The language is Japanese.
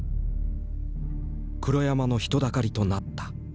黒山の人だかりとなった。